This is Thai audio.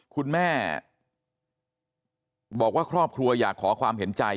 คุณแม่บอกว่าครอบครัวอยากขอความเห็นใจ